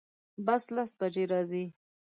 بس لس بجی راځي